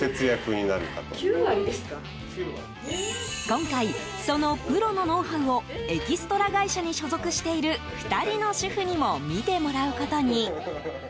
今回、そのプロのノウハウをエキストラ会社に所属している２人の主婦にも見てもらうことに。